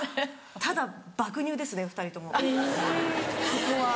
ただ爆乳ですね２人ともそこは。